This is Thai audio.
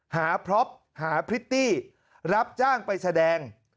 พล็อปหาพริตตี้รับจ้างไปแสดง